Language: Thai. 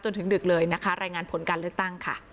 ดึกเลยนะคะรายงานผลการเลือกตั้งค่ะ